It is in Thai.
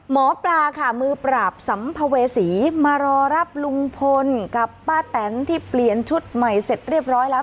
หมอปลาค่ะมือปราบสัมภเวษีมารอรับลุงพลกับป้าแตนที่เปลี่ยนชุดใหม่เสร็จเรียบร้อยแล้ว